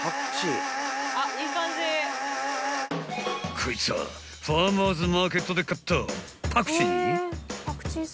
［こいつはファーマーズマーケットで買った］